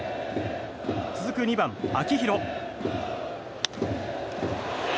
続く２番、秋広。